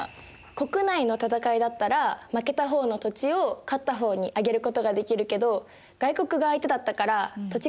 国内の戦いだったら負けた方の土地を勝った方にあげることができるけど外国が相手だったから土地が手に入らなかったんじゃない？